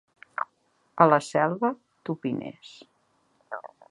A la Selva, tupiners.